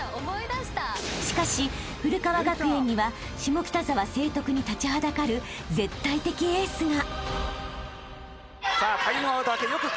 ［しかし古川学園には下北沢成徳に立ちはだかる絶対的エースが］